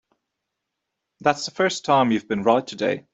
That's the first time you've been right today.